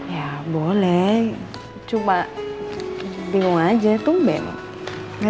ya boleh cuma bingung aja tumben